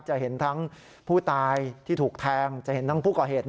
จะเห็นทั้งผู้ตายที่ถูกแทงจะเห็นทั้งผู้ก่อเหตุ